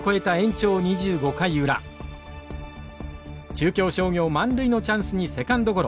中京商業満塁のチャンスにセカンドゴロ。